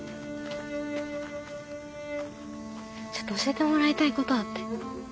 ちょっと教えてもらいたいことあって。